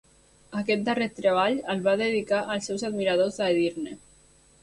Aquest darrer treball el va dedicar als seus admiradors a Edirne.